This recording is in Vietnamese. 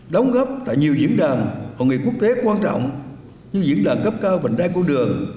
đóng góp tại nhiều diễn đàn hội nghị quốc tế quan trọng như diễn đàn cấp cao vành đai cô đường